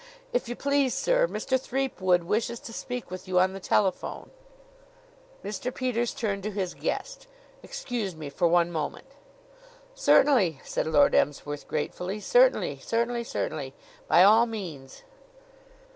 "If you please, sir, Mr. Threepwood wishes to speak with you on the telephone." Mr. Peters turned to his guest. "Excuse me for one moment." "Certainly," said Lord Emsworth gratefully. "Certainly, certainly, certainly! By all means."